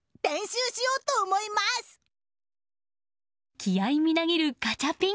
気合みなぎるガチャピン。